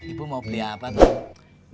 ibu mau beli apa tuh